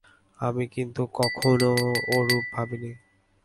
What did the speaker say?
আমি কিন্তু কখনও ওরূপ ভাবিনি।